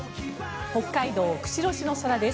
北海道釧路市の空です。